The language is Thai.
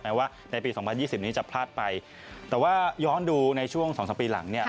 ว่าในปี๒๐๒๐นี้จะพลาดไปแต่ว่าย้อนดูในช่วง๒๓ปีหลังเนี่ย